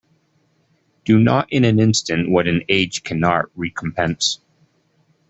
Do not in an instant what an age cannot recompense.